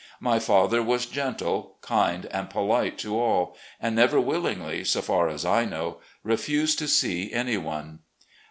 My father was gentle, kind, and polite to all, and never willingly, so far as I know, refused to see any one.